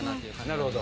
なるほど。